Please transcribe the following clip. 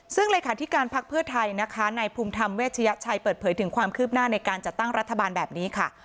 ซึ่งเลขาธิการพักเพื่อไทยนะคะในภูมิธรรมเวชยชัยเปิดเผยถึงความคืบหน้าในการจัดตั้งรัฐบาลแบบนี้ค่ะ